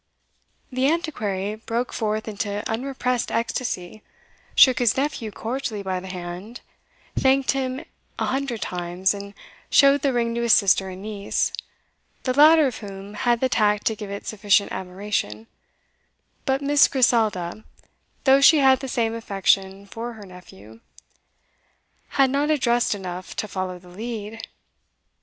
The Antiquary broke forth into unrepressed ecstasy, shook his nephew cordially by the hand, thanked him an hundred times, and showed the ring to his sister and niece, the latter of whom had the tact to give it sufficient admiration; but Miss Griselda (though she had the same affection for her nephew) had not address enough to follow the lead.